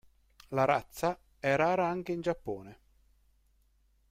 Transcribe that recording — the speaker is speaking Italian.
La razza è rara anche in Giappone.